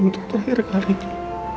untuk terakhir kalinya